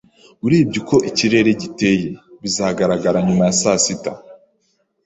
Urebye uko ikirere giteye, bizagaragara nyuma ya saa sita.